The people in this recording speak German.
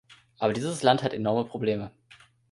Aber dieses Land hat enorme Probleme.